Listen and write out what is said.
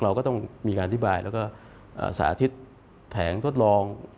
เราก็ต้องมีการอธิบายแล้วก็สาธิตแผงทดลอง